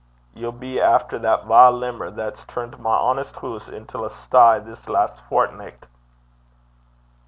Ye'll be efter that vile limmer that's turnt my honest hoose intil a sty this last fortnicht.'